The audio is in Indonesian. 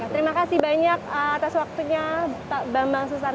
terima kasih banyak atas waktunya pak bambang susanto